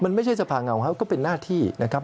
มันไม่ใช่สภาเงาครับก็เป็นหน้าที่นะครับ